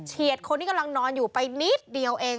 คนที่กำลังนอนอยู่ไปนิดเดียวเอง